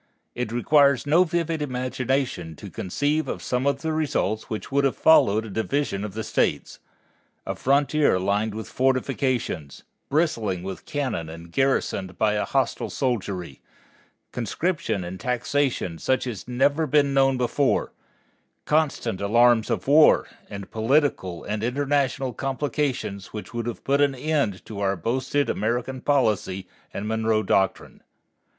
It requires no vivid imagination to conceive of some of the results which would have followed a division of the states a frontier lined with fortifications, bristling with cannon and garrisoned by a hostile soldiery; conscription and taxation such as had never been known before; constant alarms of war; and political and international complications which would have put an end to our boasted American policy and Monroe Doctrine.